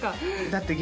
だって。